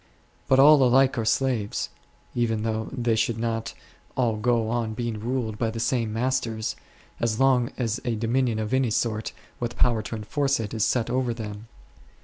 But all alike are slaves, even though they should not all go on being ruled by the same masters, as long as a dominion of any sort, with power to enforce it, is set over them.